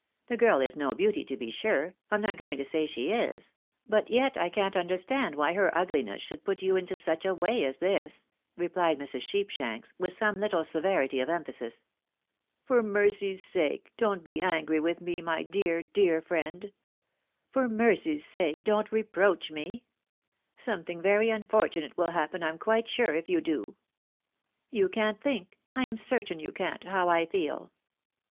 The girl is no beauty, to be sure, Pm not going to say she is ; but yet I can't understand why her ughness should put you into such a way as this," replied Mrs. Sheepshanks, with some Uttle severity of emphasis. " For mercy's sake don't be angry with me my dear, dear fiiend. For mercy's sake don't reproach me ! Something very unfortunate will happen, Pm quite sure, if you do. You can't think, I am certain you can't, how I feel.